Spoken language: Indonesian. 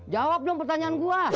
jawab dong pertanyaan gue